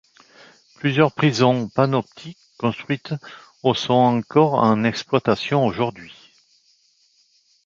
Plusieurs prisons panoptiques construites au sont encore en exploitation aujourd'hui.